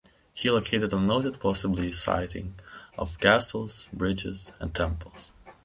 He located and noted possibly sighting of castles, bridges and temples.